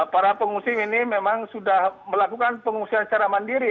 para pengungsi ini memang sudah melakukan pengungsian secara mandiri